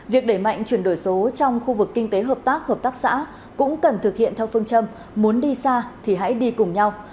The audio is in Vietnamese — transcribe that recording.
việc đẩy mạnh chuyển đổi số trong khu vực kinh tế hợp tác hợp tác xã cũng cần thực hiện theo phương châm muốn đi xa thì hãy đi cùng nhau